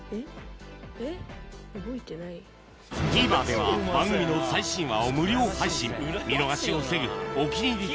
・ＴＶｅｒでは番組の最新話を無料配信見逃しを防ぐ「お気に入り」